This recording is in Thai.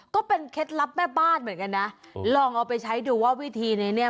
เคล็ดลับแม่บ้านเหมือนกันนะลองเอาไปใช้ดูว่าวิธีนี้เนี่ย